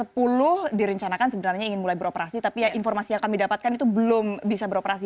pukul sepuluh direncanakan sebenarnya ingin mulai beroperasi tapi informasi yang kami dapatkan itu belum bisa beroperasi